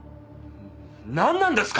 なんなんですか！？